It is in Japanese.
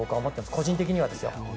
個人的にはですよ。